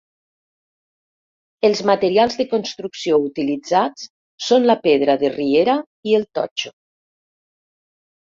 Els materials de construcció utilitzats són la pedra de riera i el totxo.